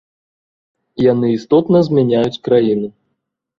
Яны істотна змяняюць краіну.